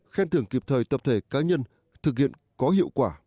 khen thưởng kịp thời tập thể cá nhân thực hiện có hiệu quả